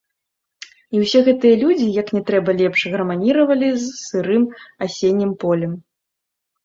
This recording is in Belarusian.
І ўсе гэтыя людзі як не трэба лепш гарманіравалі з сырым асеннім полем.